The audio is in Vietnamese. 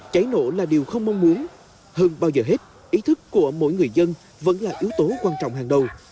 cháy nổ là điều không mong muốn hơn bao giờ hết ý thức của mỗi người dân vẫn là yếu tố quan trọng hàng đầu